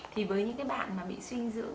thì với những cái bạn mà bị sinh dưỡng